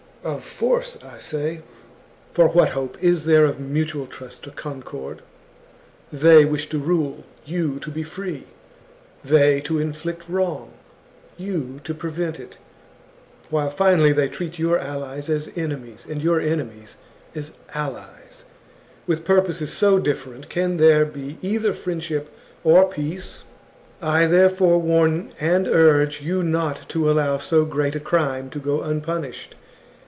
Of force, I say; for what hope is there of mutual 158 THE JUGURTHINE WAR. CHAP, trust or concord ? They wish to rule, you to be free, they to inflict wrong, you to prevent it ; while, finally, they treat your allies as enemies, and your enemies as allies. With purposes so different, can there be either , friendship or peace ? "I, therefore, warn and urge you not to allow so great a crime to go unpunished.